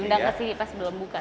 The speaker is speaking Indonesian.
udah ke sini pas belum buka